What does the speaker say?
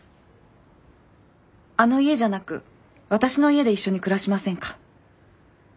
あの家じゃなく私の家で一緒に暮らしませんか？